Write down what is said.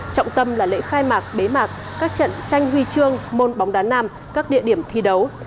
trọng tâm là lễ khai mạc bế mạc các trận tranh huy chương môn bóng đá nam các địa điểm thi đấu